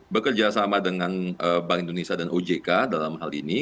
bekerja sama dengan bank indonesia dan ojk dalam hal ini